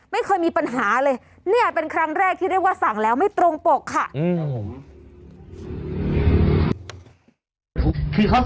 ไม่เคยมีปัญหาเลยเนี่ยเป็นครั้งแรกที่เรียกว่าสั่งแล้วไม่ตรงปกค่ะ